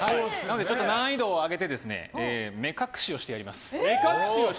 今回、難易度を上げて目隠しをしてやります。